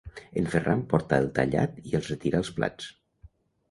En Ferran porta el tallat i els retira els plats.